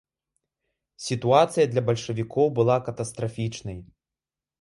Сітуацыя для бальшавікоў была катастрафічнай.